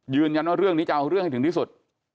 ยืนยันว่าเรื่องนี้จะเอาเรื่องให้ถึงที่สุด